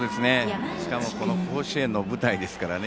しかもこの甲子園の舞台ですからね。